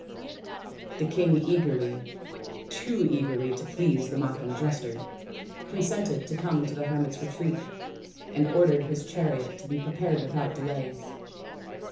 The king eagerly too eagerly to please the mock ing jester consented to come to the hermits' retreat, and ordered his chariot to be prepared without delay.